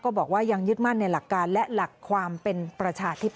บอกว่ายังยึดมั่นในหลักการและหลักความเป็นประชาธิป